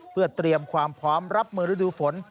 เพื่อเตรียมความพร้อมรับมือฤดูฝน